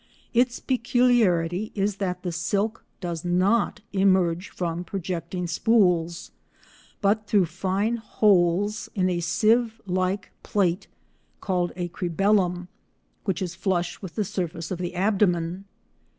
Its peculiarity is that the silk does not emerge from projecting spools; but through fine holes in a sieve like plate, called a cribellum, which is flush with the surface of the abdomen.